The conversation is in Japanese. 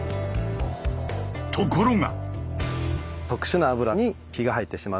ところが。